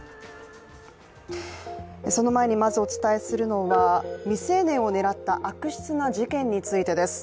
その前にまずお伝えするのが未成年を狙った悪質な事件についてです。